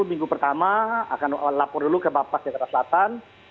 minggu pertama akan lapor dulu ke bapak jakarta selatan